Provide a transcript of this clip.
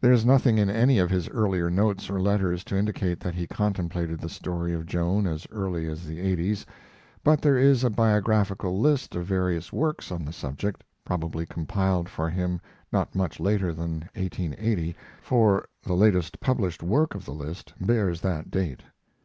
There is nothing in any of his earlier notes or letters to indicate that he contemplated the story of Joan as early as the eighties; but there is a bibliographical list of various works on the subject, probably compiled for him not much later than 1880, for the latest published work of the list bears that date.